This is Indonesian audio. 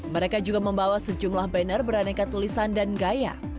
mereka juga membawa sejumlah banner beraneka tulisan dan gaya